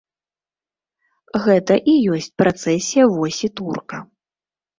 Гэта і ёсць прэцэсія восі турка.